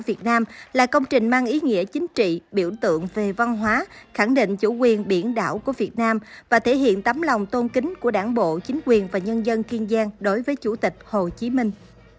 việt nam là công trình mang ý nghĩa chính trị biểu tượng về văn hóa khẳng định chủ quyền biển đảo của việt nam và thể hiện tấm lòng tôn kính của đảng bộ chính quyền và nhân dân kiên giang đối với chủ tịch hồ chí minh